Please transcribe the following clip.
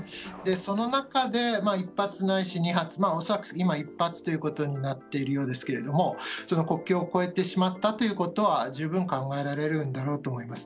その中で、１発ないし２発恐らく今、１発ということになっているようですけれども国境を越えてしまったことは十分考えられるんだろうと思います。